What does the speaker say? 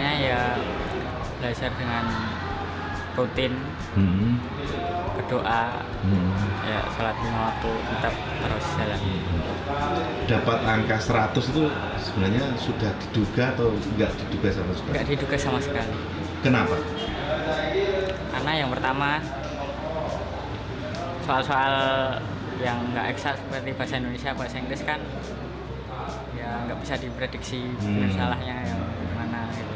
yang tidak eksat seperti bahasa indonesia bahasa inggris kan ya tidak bisa diprediksi salahnya